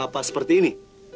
apa seperti ini